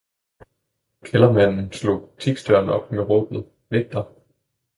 Kældermanden slog butiksdøren op med råbet vægter!